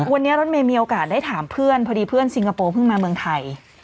วันนี้รถเมย์มีโอกาสได้ถามเพื่อนพอดีเพื่อนซิงคโปร์เพิ่งมาเมืองไทย